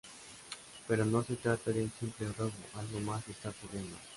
Pero no se trata de un simple robo, algo más está ocurriendo.